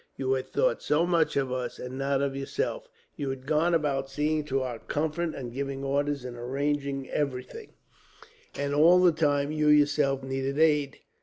You had thought so much of us, and not of yourself. You had gone about seeing to our comfort, and giving orders and arranging everything, and all the time you yourself needed aid."